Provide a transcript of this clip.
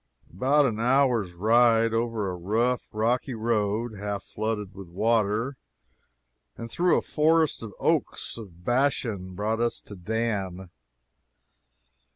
About an hour's ride over a rough, rocky road, half flooded with water, and through a forest of oaks of Bashan, brought us to Dan.